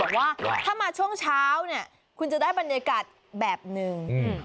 ว่าถ้ามาช่วงเช้าเนี่ยคุณจะได้บรรยากาศแบบหนึ่ง